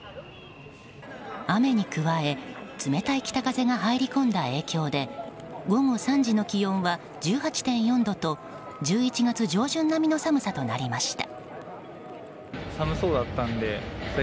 雨に加え、冷たい北風が入り込んだ影響で午後３時の気温は１８．４度と１１月上旬並みの寒さとなりました。